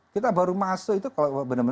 kita baru masuk itu kalau benar benar